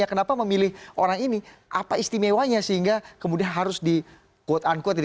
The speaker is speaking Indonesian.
kenapa memilih orang ini apa istimewanya sehingga kemudian harus di quote unquote